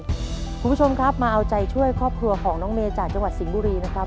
คุณผู้ชมครับมาเอาใจช่วยครอบครัวของน้องเมย์จากจังหวัดสิงห์บุรีนะครับ